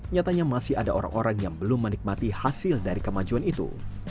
nyatanya masih ada orang orang yang belum menikmati hasil dari kemajuan itu